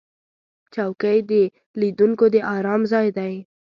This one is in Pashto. چوکۍ د لیدونکو د آرام ځای دی.